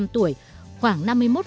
ba mươi năm tuổi khoảng năm mươi một